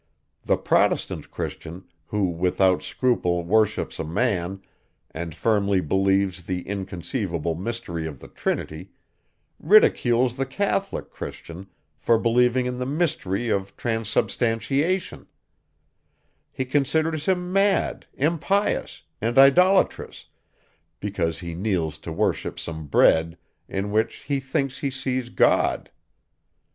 The protestant Christian who without scruple worships a man, and firmly believes the inconceivable mystery of the trinity, ridicules the catholic Christian for believing in the mystery of transubstantiation; he considers him mad, impious, and idolatrous, because he kneels to worship some bread, in which he thinks he sees God.